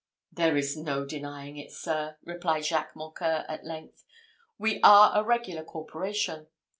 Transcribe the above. "There is no denying it, sir," replied Jacques Mocquer, at length; "we are a regular corporation.